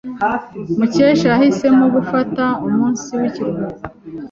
Mukesha yahisemo gufata umunsi w'ikiruhuko.